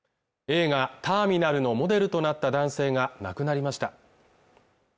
映画「ターミナル」のモデルとなった男性が亡くなりました